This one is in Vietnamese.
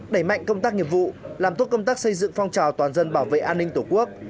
đẩy mạnh công tác nghiệp vụ làm tốt công tác xây dựng phong trào toàn dân bảo vệ an ninh tổ quốc